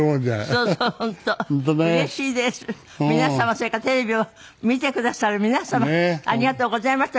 皆様それからテレビを見てくださる皆様ありがとうございました。